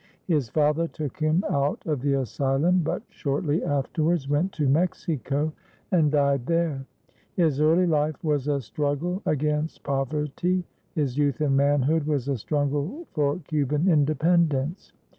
His father took him out of the asylum, but shortly afterwards went to Mexico and died there. His early life was a struggle against poverty; his youth and manhood was a struggle for Cuban independence.